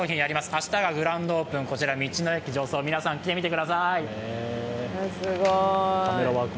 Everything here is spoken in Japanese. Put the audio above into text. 明日がグランドオープン、道の駅常総、皆さん、来てみてください。